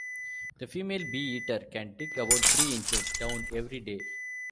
The female bee-eater can dig about three inches down every day.